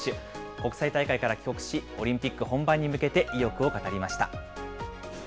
国際大会から帰国し、オリンピック本番に向けて意欲を語りました。